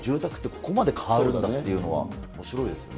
ここまで変わるんだっていうのはおもしろいですね。